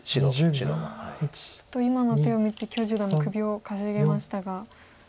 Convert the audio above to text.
ちょっと今の手を見て許十段も首をかしげましたが。